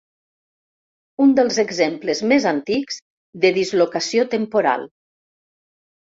Un dels exemples més antics de dislocació temporal.